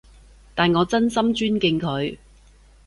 但我真心尊敬佢